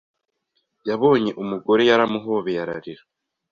yabonye Umugore Yaramuhobeye ararira